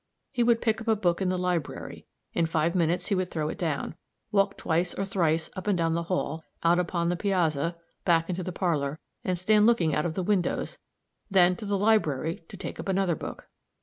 He would pick up a book in the library; in five minutes he would throw it down, and walk twice or thrice up and down the hall, out upon the piazza, back into the parlor, and stand looking out of the windows then to the library and take up another book.